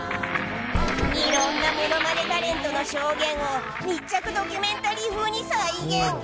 いろんなものまねタレントの証言を密着ドキュメンタリー風に再現。